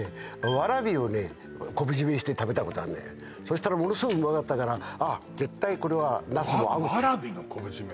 わらびをね昆布締めにして食べたことあるのそしたらものすごくうまかったからあっ絶対これはナスも合うわらびの昆布締め？